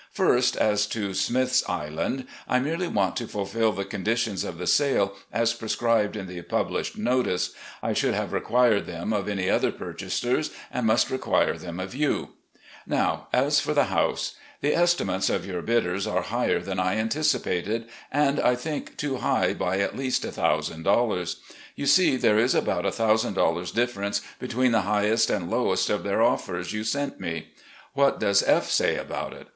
" First, as to Smith's Island, I merely want to fulfil the conditions of the sale as prescribed in the published notice. I should have required them of any other purchasers, and must require them of you. ..." Now as for the house : The estimates of your bidders are higher than I anticipated, and I think too high by at least $1,000. You see, there is about $1,000 difference between the highest and lowest of their offers you sent 342 RECOLLECTIONS OF GENERAL LEE me. What does F say about it?